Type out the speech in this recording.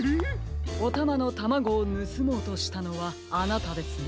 おたまのタマゴをぬすもうとしたのはあなたですね。